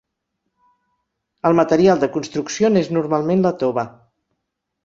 El material de construcció n'és normalment la tova.